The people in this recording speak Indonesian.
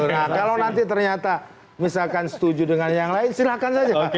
nah kalau nanti ternyata misalkan setuju dengan yang lain silahkan saja